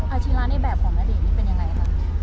อาชีละนี้แบบของละดีนี่เป็นยังไงครับ